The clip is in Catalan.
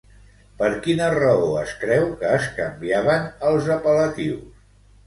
Per quina raó es creu que es canviaven els apel·latius?